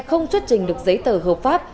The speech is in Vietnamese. không xuất trình được giấy tờ hợp pháp